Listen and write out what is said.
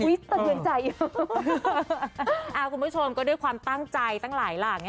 ปัจโน้นคุณผู้ชมก็ได้ความตั้งใจตั้งหลายหลัง